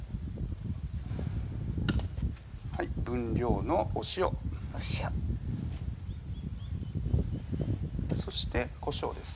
分量のお塩お塩そしてこしょうです